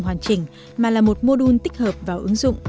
hoàn chỉnh mà là một mô đun tích hợp vào ứng dụng